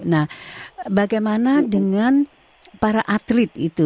nah bagaimana dengan para atlet itu